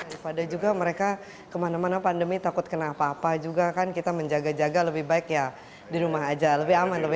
daripada juga mereka kemana mana pandemi takut kena apa apa juga kan kita menjaga jaga lebih baik ya di rumah aja lebih aman lebih